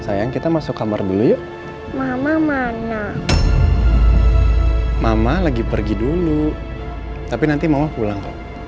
sayang kita masuk kamar dulu yuk mama mana mama lagi pergi dulu tapi nanti mama pulang